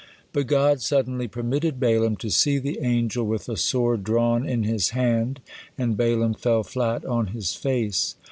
But God suddenly permitted Balaam to see the angel with a sword drawn in his hand, and Balaam fell flat on his face.